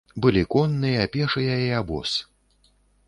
Былі конныя, пешыя і абоз.